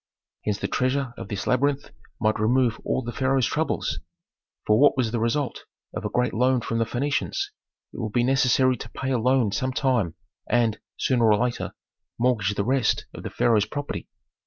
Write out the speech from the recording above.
Hence the treasure of this labyrinth might remove all the pharaoh's troubles. For what was the result of a great loan from the Phœnicians? It would be necessary to pay a loan some time, and, sooner or later, mortgage the rest of the pharaoh's property.